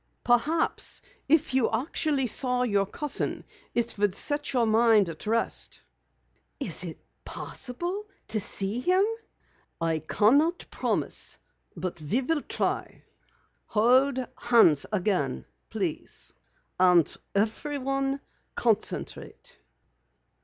"Perhaps, if you actually saw your cousin it would set your mind at rest." "Is it possible to see him?" "I cannot promise, but we will try. Hold hands again please, and everyone concentrate."